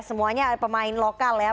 semuanya pemain lokal ya